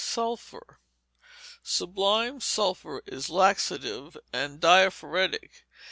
Sulphur. Sublimed sulphur is laxative and diaphoretic.